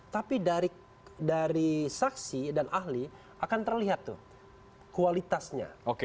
tapi dari saksi dan ahli akan terlihat tuh kualitasnya